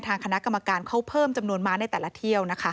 ทางคณะกรรมการเขาเพิ่มจำนวนม้าในแต่ละเที่ยวนะคะ